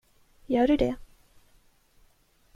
Gör du det?